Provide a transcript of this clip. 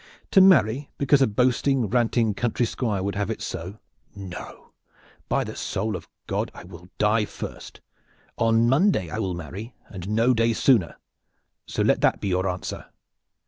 To marry because a boasting, ranting, country Squire would have me do so no, by the soul of God, I will die first! On Monday I will marry, and no day sooner, so let that be your answer."